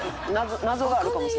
謎があるかも。